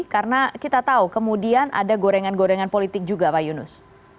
karena kita tahu kemudian ada gorengan gorengan politik juga pak yunus